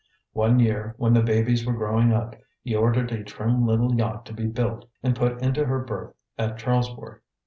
One year, when the babies were growing up, he ordered a trim little yacht to be built and put into her berth at Charlesport.